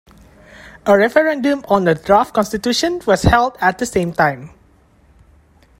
A referendum on a draft constitution was held at the same time.